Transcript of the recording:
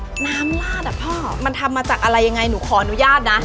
น้ำลาดอ่ะพ่อมันทำมาจากอะไรยังไงหนูขออนุญาตนะ